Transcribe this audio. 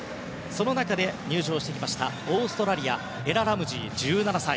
その中で入場してきましたオーストラリアエラ・ラムジー、１７歳。